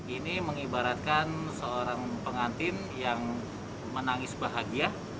ini mengibaratkan seorang pengantin yang menangis bahagia